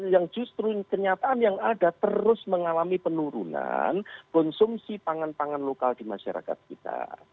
yang justru kenyataan yang ada terus mengalami penurunan konsumsi pangan pangan lokal di masyarakat kita